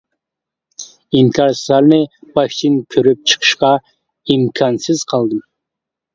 ئىنكاسلارنى باشتىن كۆرۈپ چېقىشقا ئىمكانسىز قالدىم.